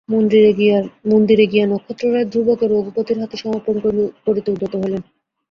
মন্দিরে গিয়া নক্ষত্ররায় ধ্রুবকে রঘুপতির হাতে সমর্পণ করিতে উদ্যত হইলেন।